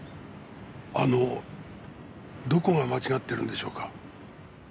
あのどこが間違ってるんでしょうか？